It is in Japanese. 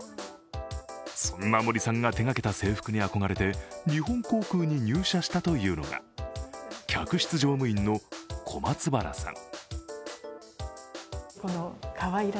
そんな森さんが手がけた制服に憧れて日本航空に入社したというのが客室乗務員の小松原さん。